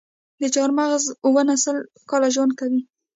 د چهارمغز ونه سل کاله ژوند کوي؟